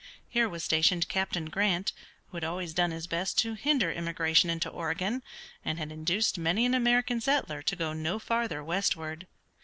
Here was stationed Captain Grant, who had always done his best to hinder immigration into Oregon, and had induced many an American settler to go no farther westward.